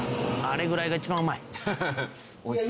あれぐらいが一番うまい。